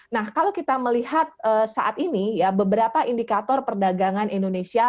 nah kalau kita melihat saat ini ya beberapa indikator perdagangan indonesia